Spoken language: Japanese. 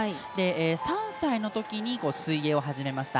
３歳のときに水泳を始めました。